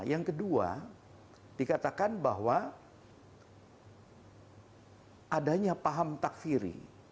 yang kedua dikatakan bahwa adanya paham takfiri